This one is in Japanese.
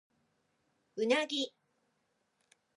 うなぎ